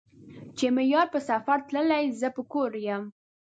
چې مې يار په سفر تللے زۀ به کور يم